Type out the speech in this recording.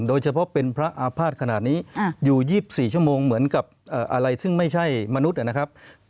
โดยเฉพาะเป็นพระอาภาษณ์ขนาดนี้อยู่๒๔ชั่วโมงเหมือนกับอะไรซึ่งไม่ใช่มนุษย์นะครับ